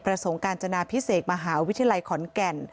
สงการจนาพิเศษมหาวิทยาลัยขอนแก่น